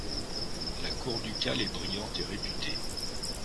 La cour ducale est brillante et réputée.